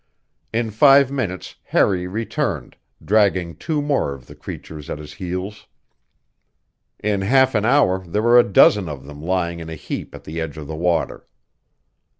In five minutes Harry returned, dragging two more of the creatures at his heels. In half an hour there were a dozen of them lying in a heap at the edge of the water.